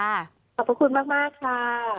ขอบคุณมากค่ะ